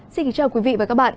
xin kính chào quý vị và các bạn